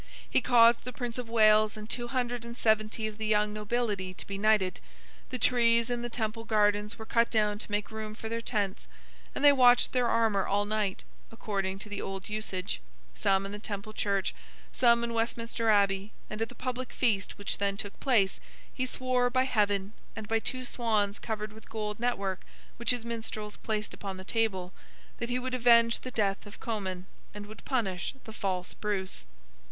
He caused the Prince of Wales and two hundred and seventy of the young nobility to be knighted—the trees in the Temple Gardens were cut down to make room for their tents, and they watched their armour all night, according to the old usage: some in the Temple Church: some in Westminster Abbey—and at the public Feast which then took place, he swore, by Heaven, and by two swans covered with gold network which his minstrels placed upon the table, that he would avenge the death of Comyn, and would punish the false Bruce.